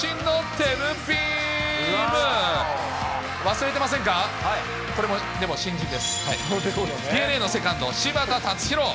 ＤｅＮＡのセカンド、柴田たつひろ。